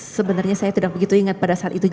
sebenarnya saya tidak begitu ingat pada saat itu